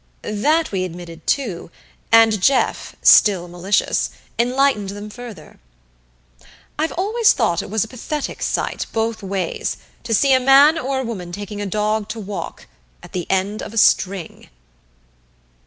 That we admitted, too, and Jeff, still malicious, enlightened them further. "I've always thought it was a pathetic sight, both ways to see a man or a woman taking a dog to walk at the end of a string."